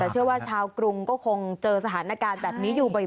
แต่เชื่อว่าชาวกรุงก็คงเจอสถานการณ์แบบนี้อยู่บ่อย